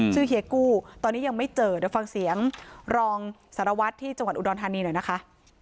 เฮียกู้ตอนนี้ยังไม่เจอเดี๋ยวฟังเสียงรองสารวัตรที่จังหวัดอุดรธานีหน่อยนะคะ